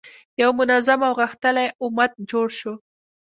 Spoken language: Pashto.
یو منظم او غښتلی امت جوړ شو.